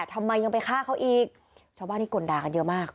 ทำไมยังไปฆ่าเขาอีกชาวบ้านที่กลด่ากันเยอะมาก